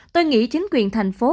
tôi nghĩ chính quyền thành phố